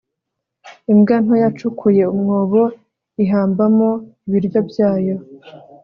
imbwa nto yacukuye umwobo ihambamo ibiryo byayo